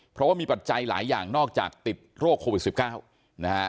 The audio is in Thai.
เพราะว่ามีปัจจัยหลายอย่างนอกจากติดโรคโควิด๑๙นะฮะ